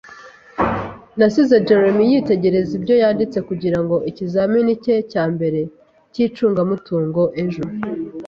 Nasize Jeremy yitegereza ibyo yanditse kugirango ikizamini cye cya mbere cy'icungamutungo ejo.